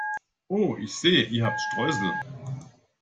Oh, ich sehe, ihr habt Streusel!